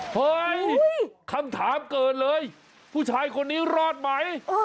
เฮ้ยคำถามเกิดเลยผู้ชายคนนี้รอดไหม